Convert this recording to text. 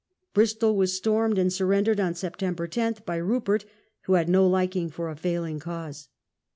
Bristol was stormed and surrendered on September 10 by Rupert, who had no liking for a failing cause.